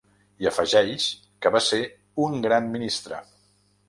I afegeix que va ser ‘un gran ministre’.